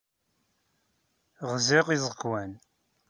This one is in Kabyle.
Ɣziɣ iẓekwan.